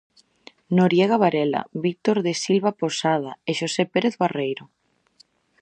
Noriega Varela, Víctor de Silva Posada e Xosé Pérez Barreiro.